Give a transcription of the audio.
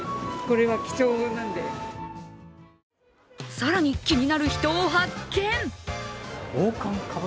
更に、気になる人を発見。